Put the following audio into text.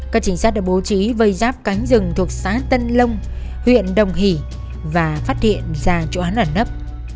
các trinh sát đã bố trí vây giáp cánh rừng thuộc xã tân lông huyện đồng hỷ và phát hiện ra chỗ hắn ở nấp